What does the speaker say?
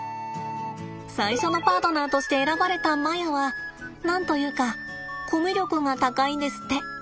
最初のパートナーとして選ばれたマヤは何と言うかコミュ力が高いんですって。